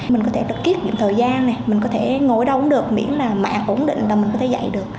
mình có thể được kiếp những thời gian này mình có thể ngồi đâu cũng được miễn là mạng ổn định là mình có thể dạy được